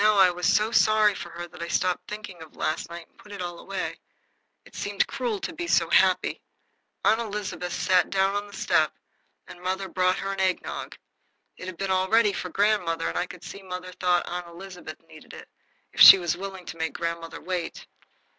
Now I was so sorry for her that I stopped thinking of last night and put it all away. It seemed cruel to be so happy. Aunt Elizabeth sat down on the step and mother brought her an eggnog. It had been all ready for grandmother, and I could see mother thought Aunt Elizabeth needed it, if she was willing to make grandmother wait.